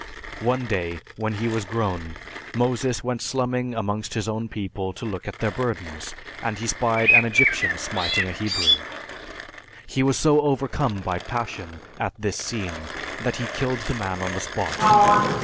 One day, when he was grown, Moses went slumming among his own people to look at their burdens, and he spied an Egyptian smiting a Hebrew. He was so overcome by passion at this scene that he killed the man on the spot.